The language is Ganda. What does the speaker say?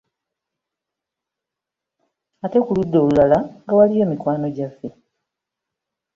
Ate ku ludda olulala nga waliyo mikwano gyaffe.